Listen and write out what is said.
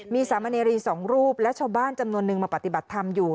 มีสามเนรีสองรูปและชาวบ้านจำนวนนึงมาปฏิบัติธรรมอยู่